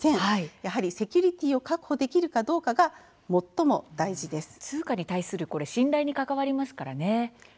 やはりセキュリティーを確保できるかどうかが通貨に対する信頼に関わりますからね。